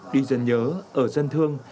đi dân nhớ ở dân thương